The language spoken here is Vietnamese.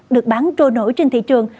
được bán trôi nổi trên thị trường